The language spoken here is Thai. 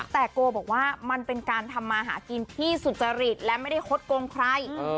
แต่โกบอกว่ามันเป็นการทำมาหากินที่สุจริตและไม่ได้ฮดโกงใคร